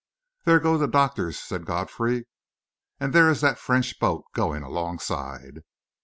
"There go the doctors," said Godfrey. "And there is that French boat going alongside."